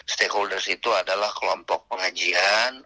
stakeholders itu adalah kelompok pengajian